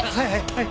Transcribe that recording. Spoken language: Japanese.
はい！